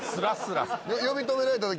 呼び止められたとき。